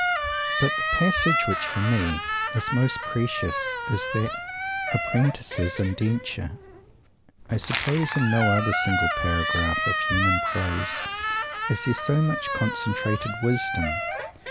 But the passage which, for me, is most precious is that Apprentice's "Indenture." I suppose in no other single paragraph of human prose is there so much concentrated wisdom.